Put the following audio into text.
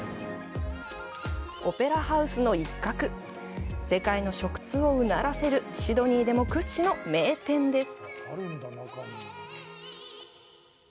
オペラハウスの一角、世界の食通をうならせるシドニーでも屈指の名店です。